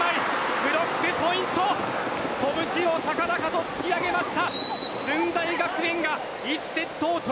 ブロックポイント拳を高々と突き上げました。